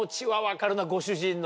ご主人の。